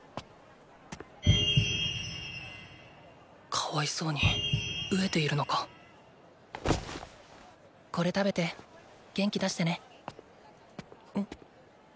かわいそうに飢えているのかこれ食べて元気出してね。